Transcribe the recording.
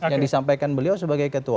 yang disampaikan beliau sebagai ketua